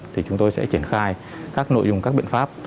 thì chúng tôi sẽ triển khai các nội dung các biện pháp